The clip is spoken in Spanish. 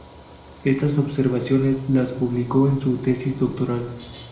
Estas observaciones las publicó en su tesis doctoral.